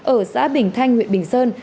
ở xã bình thanh huyện bình sơn